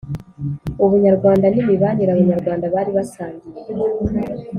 ubunyarwanda n imibanire Abanyarwanda bari basangiye